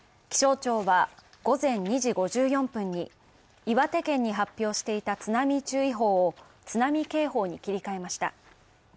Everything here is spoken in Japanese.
気象庁は午前２時５４分に岩手県に発表していた津波注意報を津波警報に切り替えました。